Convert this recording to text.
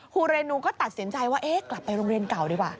เรนูก็ตัดสินใจว่าเอ๊ะกลับไปโรงเรียนเก่าดีกว่า